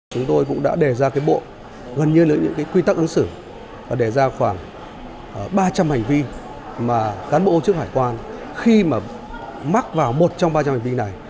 chúng tôi cũng đã đề ra bộ gần như những quy tắc ứng xử và đề ra khoảng ba trăm linh hành vi mà cán bộ công chức hải quan khi mà mắc vào một trong ba trăm linh hành vi này